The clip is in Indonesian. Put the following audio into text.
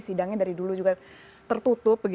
sidangnya dari dulu juga tertutup